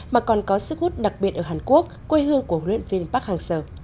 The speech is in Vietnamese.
mà còn có sức hút đặc biệt ở hàn quốc quê hương của huấn luyện viên park hang seo